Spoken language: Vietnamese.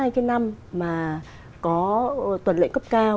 hai cái năm mà có tuần lệ cấp cao